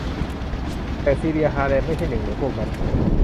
แต่ซีเลีย ฮาร์แลนด์ไม่ใช่หนึ่งในพวกนั้น